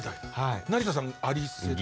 成田さんあり世代？